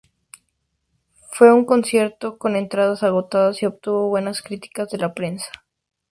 Fue un concierto con entradas agotadas y obtuvo buenas críticas de la prensa.